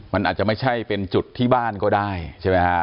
มันอาจจะไม่ใช่เป็นจุดที่บ้านก็ได้ใช่ไหมฮะ